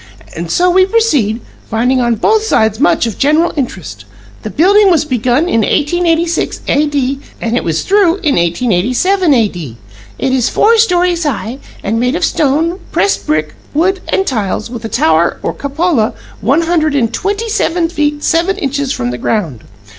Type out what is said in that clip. And so we proceed, finding on both sides much of general interest. The building was begun in 1886 A.D. and it was through in 1887 A.D. It is four stories high and made of stone, pressed brick, wood, and tiles, with a tower, or cupola, one hundred and twenty seven feet seven inches from the ground.